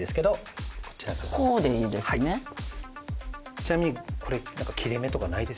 ちなみにこれ。